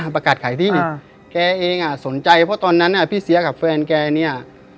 ประกาศขายที่แกเองอ่ะสนใจเพราะตอนนั้นพี่เสียกับแฟนแกเนี่ย